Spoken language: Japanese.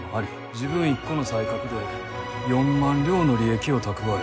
自分一個の才覚で４万両の利益を蓄え。